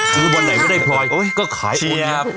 คือบนไหนไม่ได้พลอยก็ขายอุ่น